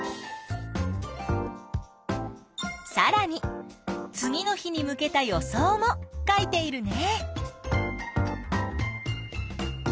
さらに次の日に向けた予想も書いているね。